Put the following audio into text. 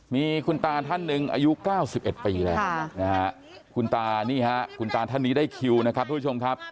มีคุณตาท่านหนึ่งอายุ๙๑ปีแล้วคุณตานี่ฮะคุณตาท่านนี้ได้คิวนะครับทุกผู้ชมครับ